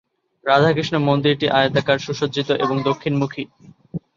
রাধাকৃষ্ণ মন্দিরটি আয়তাকার, সুসজ্জিত এবং দক্ষিণমুখী।